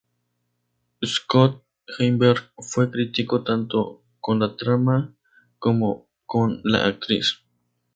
Scott Weinberg fue crítico tanto con la trama como con la actriz.